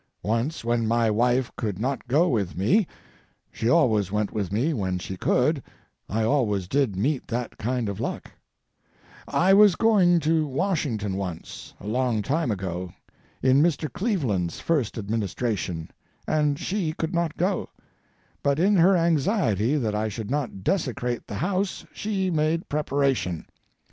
Once when my wife could not go with me (she always went with me when she could—I always did meet that kind of luck), I was going to Washington once, a long time ago, in Mr. Cleveland's first administration, and she could not go; but, in her anxiety that I should not desecrate the house, she made preparation.